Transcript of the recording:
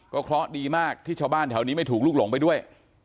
เพราะดีมากที่ชาวบ้านแถวนี้ไม่ถูกลุกหลงไปด้วย